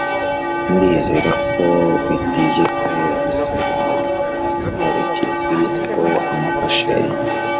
ndizera ko batigeze basaba karekezi ngo amufashe